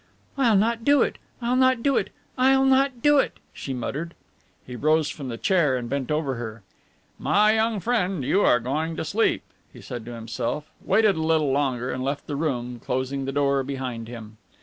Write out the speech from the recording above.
"I'll not do it, I'll not do it, I'll not do it," she muttered. He rose from the chair and bent over her. "My young friend, you are going to sleep," he said to himself, waited a little longer and left the room, closing the door behind him.